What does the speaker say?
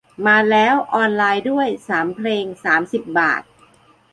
มาแล้ว ออนไลน์ด้วย สามเพลงสามสิบบาท